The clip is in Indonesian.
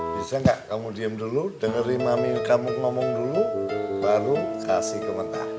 bisa gak kamu diem dulu dengerin mami kamu ngomong dulu baru kasih kementar